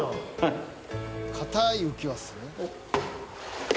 硬い浮輪ですね。